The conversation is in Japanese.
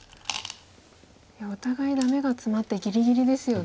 いやお互いダメがツマってぎりぎりですよね。